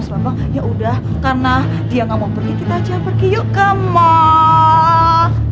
mas bambang yaudah karena dia gak mau pergi kita aja pergi yuk ke malll